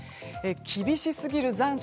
厳しすぎる残暑